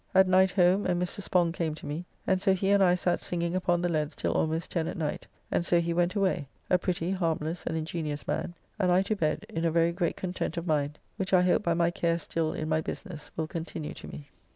At night home, and Mr. Spong came to me, and so he and I sat singing upon the leads till almost ten at night and so he went away (a pretty, harmless, and ingenious man), and I to bed, in a very great content of mind, which I hope by my care still in my business will continue to me.